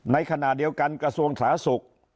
ในขณะเดียวกันกระทรวงสาธารณสุข